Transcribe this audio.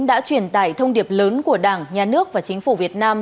đã truyền tải thông điệp lớn của đảng nhà nước và chính phủ việt nam